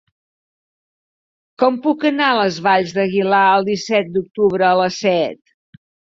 Com puc anar a les Valls d'Aguilar el disset d'octubre a les set?